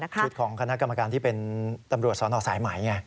ชุดของคณะกรรมการที่เป็นตำรวจสนสายไหม